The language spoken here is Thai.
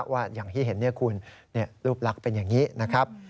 ว่าอย่างที่เห็นคุณรูปลักษณ์เป็นอย่างนี้นะครับ